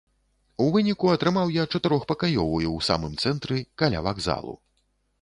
У выніку атрымаў я чатырохпакаёвую ў самым цэнтры, каля вакзалу.